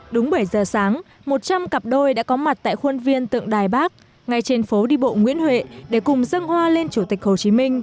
đúng bảy giờ sáng một trăm linh cặp đôi đã có mặt tại khuôn viên tượng đài bắc ngay trên phố đi bộ nguyễn huệ để cùng dâng hoa lên chỗ tổ chức